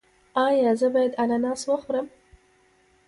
ایا زه باید اناناس وخورم؟